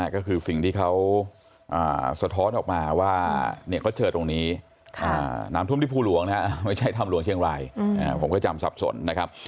ก็คือสิ่งที่เขาสะท้อนออกมาว่าเขาเจอตรงนี้น้ำท่วมที่ภูหลวงนะไม่ใช่ถ้ำหลวงเชียงรายผมก็จำสับสนนะครับ